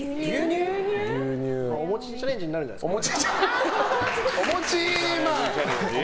お餅チャレンジになるんじゃないですか。